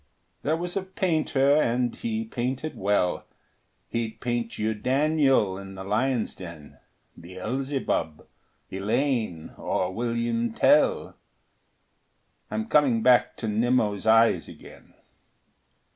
There was a painter and he painted well: He'd paint you Daniel in the lions' den, Beelzebub, Elaine, or William Tell. I'm coming back to Nimmo's eyes again.